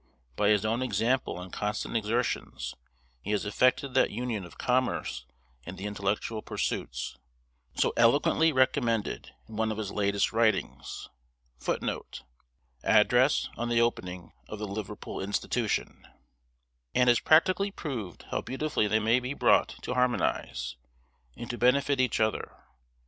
By his own example and constant exertions, he has effected that union of commerce and the intellectual pursuits, so eloquently recommended in one of his latest writings;* and has practically proved how beautifully they may be brought to harmonize, and to benefit each other.